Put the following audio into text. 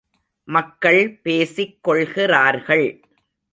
மக்கள் பேசிக் கொள்கிறார்கள்.